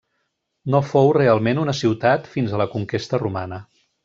No fou realment una ciutat fins a la conquesta romana.